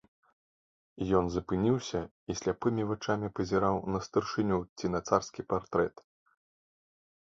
Ён запыніўся і сляпымі вачамі пазіраў на старшыню ці на царскі партрэт.